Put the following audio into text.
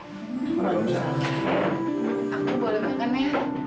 aku boleh makan ya